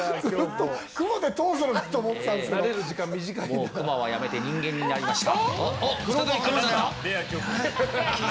もうクマはやめて人間に戻りました。